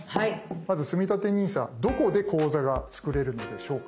まずつみたてＮＩＳＡどこで口座が作れるのでしょうか？